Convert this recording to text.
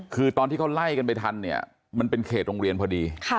คือตอนที่เขาไล่กันไปทันเนี่ยมันเป็นเขตโรงเรียนพอดี